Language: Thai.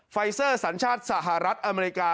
ไฟเซอร์สัญชาติสหรัฐอเมริกา